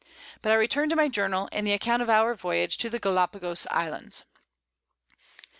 But I return to my Journal, and the Account of our Voyage to the Gallapagoes Islands.